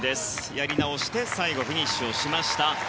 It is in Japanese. やり直して最後、フィニッシュをしました。